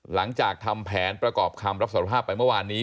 หลังจากทำแผนประกอบคำรับสารภาพไปเมื่อวานนี้